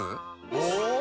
お！